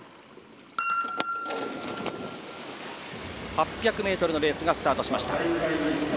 ８００ｍのレースがスタートしました。